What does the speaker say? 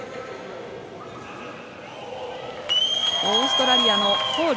オーストラリアのホール。